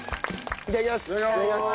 いただきます。